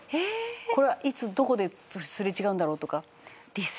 これはいつどこですれ違うんだろう？とか。